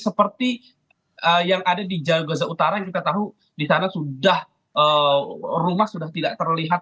seperti yang ada di jalan gaza utara yang kita tahu di sana sudah rumah sudah tidak terlihat